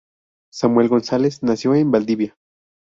Samuel González, nació en Valdivia.